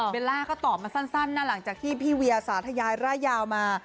ล่าก็ตอบมาสั้นนะหลังจากที่พี่เวียสาธยายร่ายยาวมา